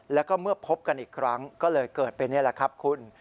แล้วก็เมื่อพบกันอีกครั้งก็เลยเกิดเป็นนี่แหละครับคุณ